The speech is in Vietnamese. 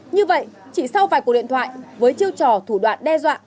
như vậy chỉ sau vài cuộc điện thoại với chiêu trò thủ đoạn đe dọa